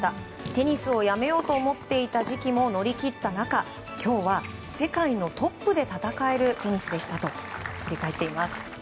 テニスをやめようと思っていた時期も乗り切った中今日は世界のトップで戦えるテニスでしたと振り返っています。